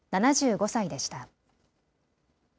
７５歳でした。